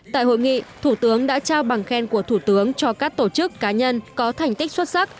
tại hội nghị thủ tướng đã trao bằng khen của thủ tướng cho các tổ chức cá nhân có thành tích xuất sắc